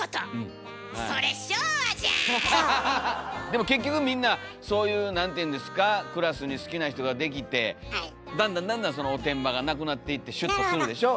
でも結局みんなそういうクラスに好きな人ができてだんだんだんだんそのおてんばがなくなっていってシュッとするでしょ。